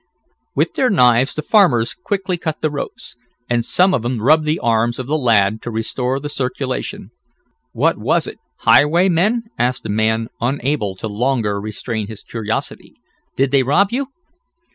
With their knives, the farmers quickly cut the ropes, and some of them rubbed the arms of the lad to restore the circulation. "What was it highwaymen?" asked a man, unable to longer restrain his curiosity. "Did they rob you?"